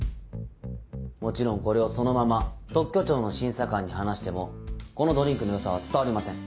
もちろんこれをそのまま特許庁の審査官に話してもこのドリンクの良さは伝わりません。